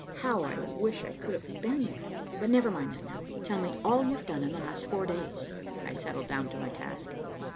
How I wish I could have been there. But never mind that now. Tell me all you've done in the last four days." I settled down to my task.